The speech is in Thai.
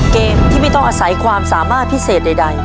เกมที่ไม่ต้องอาศัยความสามารถพิเศษใด